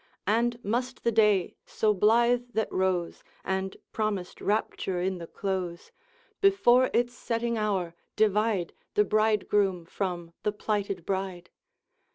And must the day so blithe that rose, And promised rapture in the close, Before its setting hour, divide The bridegroom from the plighted bride?